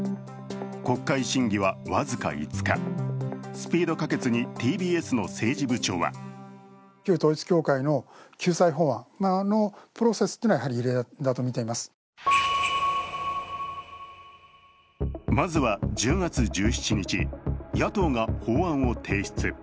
スピード可決にＴＢＳの政治部長はまずは１０月１７日、野党が法案を提出。